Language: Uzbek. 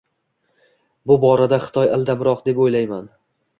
Bu borada Xitoy ildamroq, deb oʻylayman.